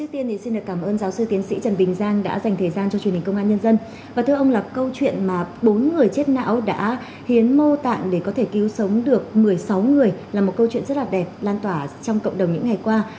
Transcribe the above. tiếu sống được một mươi sáu người là một câu chuyện rất là đẹp lan tỏa trong cộng đồng những ngày qua